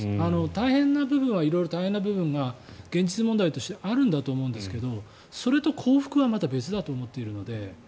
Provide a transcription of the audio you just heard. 大変な部分は色々、大変な部分が現実問題としてあるんだと思うんですけどそれと幸福はまた別だと思っているので。